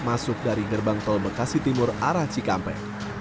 masuk dari gerbang tol bekasi timur arah cikampek